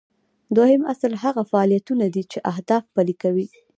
دوهم اصل هغه فعالیتونه دي چې اهداف پلي کوي.